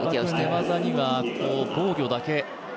寝技には防御だけ。